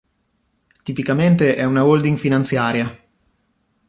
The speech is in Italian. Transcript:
Tipicamente, è una holding finanziaria.